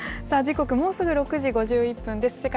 さあ、時刻、もうすぐ６時５１分です。